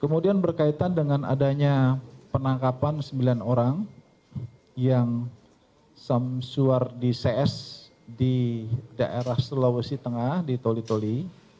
kemudian berkaitan dengan adanya penangkapan sembilan orang yang samsuar di cs di daerah sulawesi tengah di toli toli